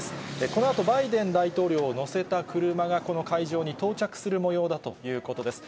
このあと、バイデン大統領を乗せた車がこの会場に到着するもようだということです。